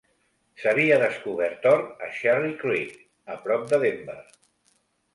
S'havia descobert or a Cherry Creek, a prop de Denver.